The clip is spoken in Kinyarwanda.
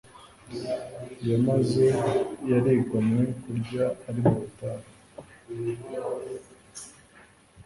yamaze yarigomwe kurya ari mu butayu